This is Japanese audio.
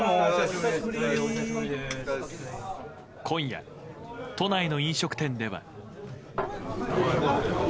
今夜、都内の飲食店では。